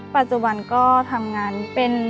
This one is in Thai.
ปัจจุบันก็ทำงานเป็น